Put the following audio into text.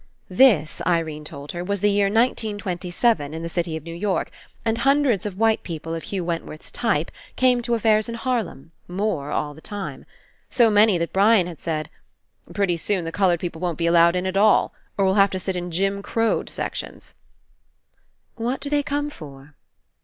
This, Irene told her, was the year 1927 in the city of New York, and hundreds of white people of Hugh Wentworth's type came to affairs in Harlem, more all the time. So many that Brian had said: "Pretty soon the coloured people won't be allowed in at all, or will have to sit in Jim Crowed sections." "What do they come for?"